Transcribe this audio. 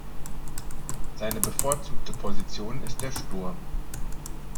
Seine bevorzugte Position ist der Sturm.